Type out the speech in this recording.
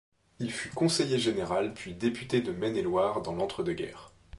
Il fut conseiller général puis député de Maine-et-Loire dans l'entre-deux-guerres.